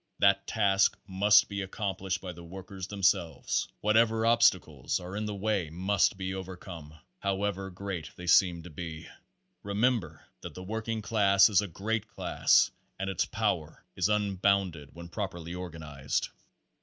That task must be accomplished by the workers themselves. Whatever obstacles are in the way must be overcome, however great they seem to be. Remember that the working class is a great class and its power is unbound ed when properly organized.